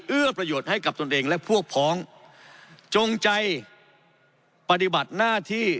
เอื้อประโยชน์ให้กับตนเองและพวกพ้องจงใจปฏิบัติหน้าที่